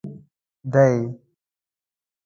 دی.